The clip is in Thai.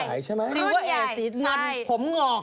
ซีเวอร์เอใหะสิหนันผงงอก